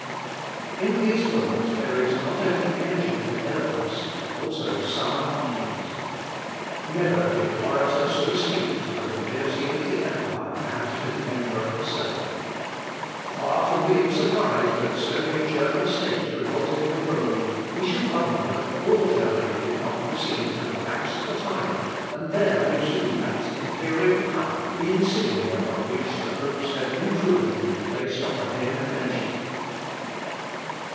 In these words there is not only energy and eloquence, but also sound argument. Never did orator so speak to the nobility of the empire, and to the emperor himself. Far from being surprised that so many German states revolted from Rome we should rather wonder that all Germany did not proceed to the banks of the Tiber, and there resume that imperial power, the insignia of which the popes had imprudently placed on the head of their chief.